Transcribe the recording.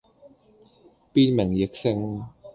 變名易姓